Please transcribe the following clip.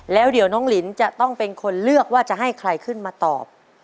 แล้วเดี๋ยวน้องลินจะต้องเป็นคนเลือกว่าจะให้ใครขึ้นมาตอบ